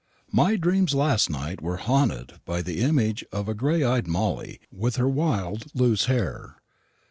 My dreams last night were haunted by the image of gray eyed Molly, with her wild loose hair.